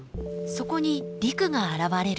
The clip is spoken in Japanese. そこに陸が現れる。